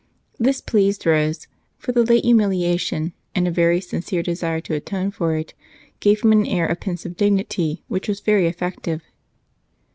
This pleased Rose, for the late humiliation and a very sincere desire to atone for it gave him an air of pensive dignity which was very effective.